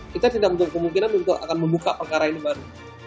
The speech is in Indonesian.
kita tidak menutup kemungkinan untuk akan membuka perkara ini baru